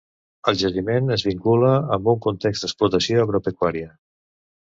El jaciment es vincula amb un context d'explotació agropecuària.